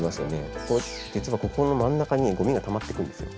ここ実はここの真ん中にごみがたまっていくんですよ。